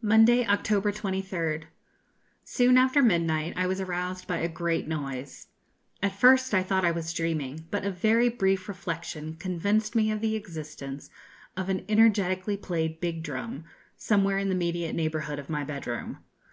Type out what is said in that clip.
Monday, October 23rd. Soon after midnight I was aroused by a great noise. At first I thought I was dreaming, but a very brief reflection convinced me of the existence of an energetically played big drum, somewhere in the immediate neighbourhood of my bed room.